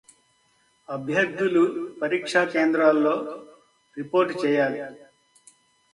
అభ్యర్థులు పరీక్ష కేంద్రాల్లో రిపోర్ట్ చేయాలి